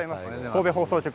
神戸放送局